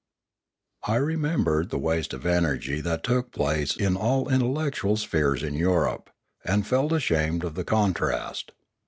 I remembered the waste of energy that took place in all intellectual spheres in Europe, and felt ashamed of the contrast.